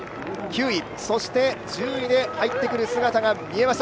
そして、１０位で入ってくる姿が見えました。